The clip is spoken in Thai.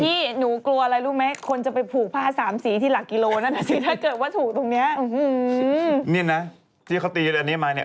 พี่หนูกลัวอะไรรู้ไหมคนจะไปผูกผ้า๓สีที่หลักกิโลนั่นนะสิ